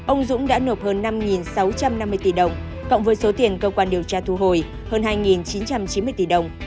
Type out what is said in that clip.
ông dũng đã nộp hơn năm sáu trăm năm mươi tỷ đồng cộng với số tiền cơ quan điều tra thu hồi hơn hai chín trăm chín mươi tỷ đồng